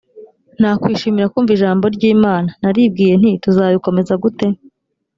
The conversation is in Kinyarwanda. nakwishimira kumva ijambo ry imana naribwiye nti tuzabikomeza gute